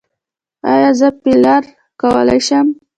ایا زه فیلر کولی شم؟